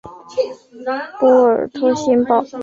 波尔托新堡。